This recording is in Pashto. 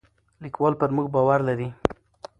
لیکوال پر موږ باور لري.